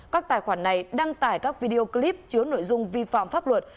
các tài khoản này đăng tải các video clip chứa nội dung vi phạm pháp luật